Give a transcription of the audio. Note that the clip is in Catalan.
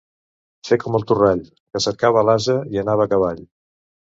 Fer com en Torrall, que cercava l'ase i anava a cavall.